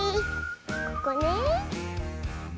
ここねえ。